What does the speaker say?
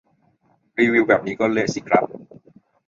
รีวิวแบบนี้ก็เละสิครับ